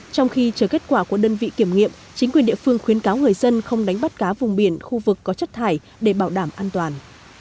trong khi chờ kết quả của đơn vị kiểm nghiệm chính quyền địa phương khuyến cáo người dân không đánh bắt cá vùng biển khu vực có chất thải để bảo đảm an toàn